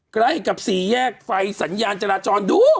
ใกล้กับสี่แยกไฟสัญญาณจราจรดู